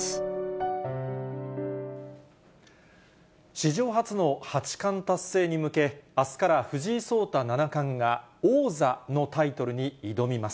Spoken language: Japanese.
史上初の八冠達成に向け、あすから藤井聡太七冠が王座のタイトルに挑みます。